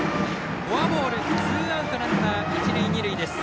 フォアボール、ツーアウトランナー、一塁二塁。